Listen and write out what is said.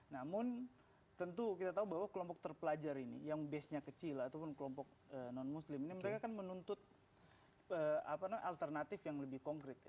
namun tentu kita tahu bahwa kelompok terpelajar ini yang base nya kecil ataupun kelompok non muslim ini mereka kan menuntut alternatif yang lebih konkret